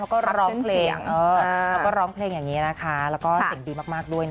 แล้วก็ร้องเพลงอย่างนี้นะคะแล้วก็เสียงดีมากด้วยนะ